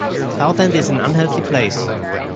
South End is an unhealthy place.